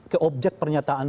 ke objek pernyataan